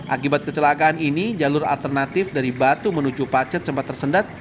akibat kecelakaan ini jalur alternatif dari batu menuju pacet sempat tersendat